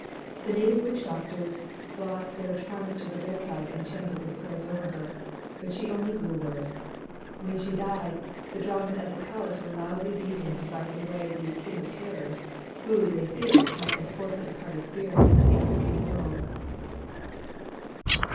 The native witch doctors brought their charms to her bedside and chanted their prayers over her, but she only grew worse. When she died, the drums at the palace 179 WHITE MAN OF WORK were loudly beaten to frighten away the ' 'king of terrors" who, they feared, might escort her departed spirit into the unseen world.